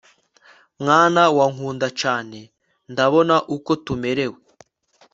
Mwana wa nkunda cane…ndabona uko tumerewe